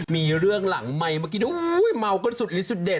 มีเรื่องหลังไมค์เมาก็สุดอีกสุดเด็ด